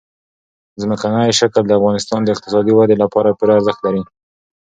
ځمکنی شکل د افغانستان د اقتصادي ودې لپاره پوره ارزښت لري.